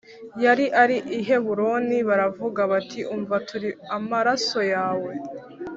Yari ari i Heburoni baravuga bati Umva turi amaraso yawe